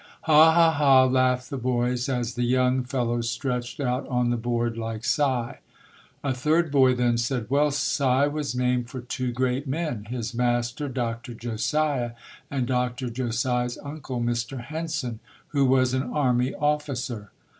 "Ha, ha, ha!" laughed the boys as the young fellow stretched out on the board like Si. A third boy then said, "Well, Si was named for two great men his master, Dr. Josiah, and Dr. Josiah's uncle, Mr. Henson, who was an army officer".